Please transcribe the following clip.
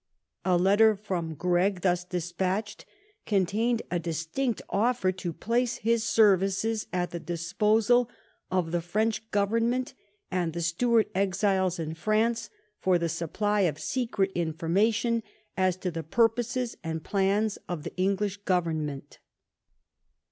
A letter from Gregg thus despatched contained a distinct offer to place his services at the disposal of the French government and the Stuart exiles in France for the supply of secret information as to the purposes and 306 "HARLET, THE NATION'S GREAT SUPPORT'' plans of the English government.